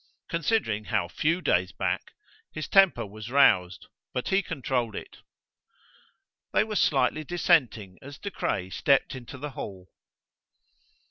Considering how few days back, his temper was roused, but he controlled it. They were slightly dissenting as De Craye stepped into the hall.